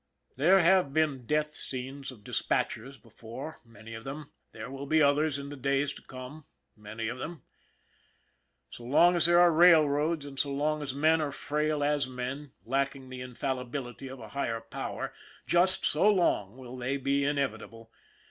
There have been death scenes of dispatchers before, many of them there will be others in the days to come, many of them. So long as there are railroads and so long as men are frail as men, lacking the infal libility of a higher power, just so long will they be inevitable.